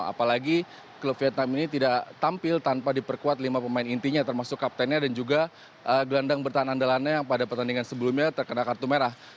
apalagi klub vietnam ini tidak tampil tanpa diperkuat lima pemain intinya termasuk kaptennya dan juga gelandang bertahan andalannya yang pada pertandingan sebelumnya terkena kartu merah